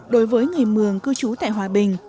đối với người mường cư trú tại hòa bình